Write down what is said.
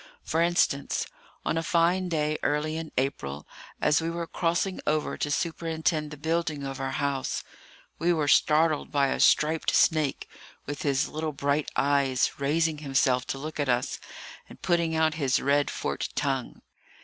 For instance, on a fine day early in April, as we were crossing over to superintend the building of our house, we were startled by a striped snake, with his little bright eyes, raising himself to look at us, and putting out his red, forked tongue.